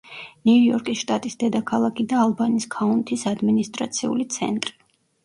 ნიუ-იორკის შტატის დედაქალაქი და ალბანის ქაუნთის ადმინისტრაციული ცენტრი.